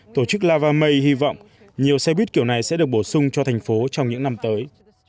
tổ chức lavae hy vọng nhiều xe buýt kiểu này sẽ được bổ sung cho thành phố trong những năm tới